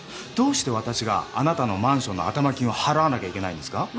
どうして私があなたのマンションの頭金を払わなきゃいけないんですか？